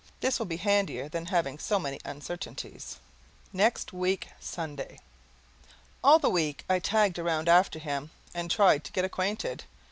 This will be handier than having so many uncertainties. NEXT WEEK SUNDAY. All the week I tagged around after him and tried to get acquainted.